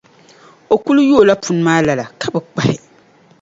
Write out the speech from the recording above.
O kuli yoola puni maa lala, ka bi kpahi.